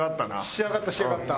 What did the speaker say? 仕上がった仕上がった。